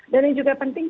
dan yang juga penting